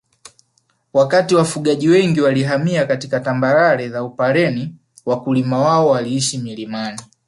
Wakati wafugaji wengi walihamia katika tambarare za Upareni Wakulima wao waliishi milimani